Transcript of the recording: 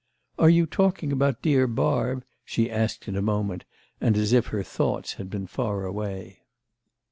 "Are you talking about dear Barb?" she asked in a moment and as if her thoughts had been far away.